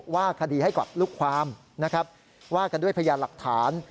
ว่าคดีให้กับลูกความนะครับว่ากันด้วยพยานหลักฐาน